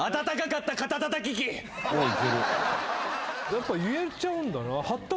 やっぱ言えちゃうんだな。